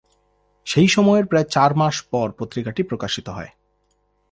সেই সময়ের প্রায় চার মাস পর পত্রিকাটি প্রকাশিত হয়।